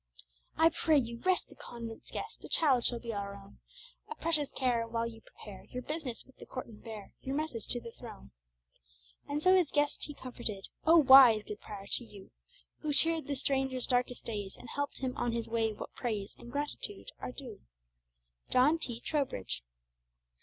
"I pray you rest the convent's guest; The child shall be our own A precious care, while you prepare Your business with the court, and bear Your message to the throne." And so his guest he comforted. O wise, good prior! to you, Who cheered the stranger's darkest days, And helped him on his way, what praise And gratitude are due! JOHN T. TROWBRIDGE.